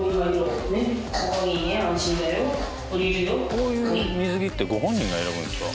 こういう水着ってご本人が選ぶんですか？